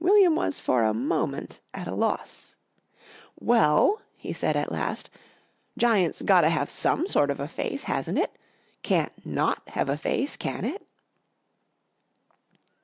William was for a moment at a loss. "Well," he said at last, "giant's got to have some sort of a face, hasn't it? Can't not have a face, can it?"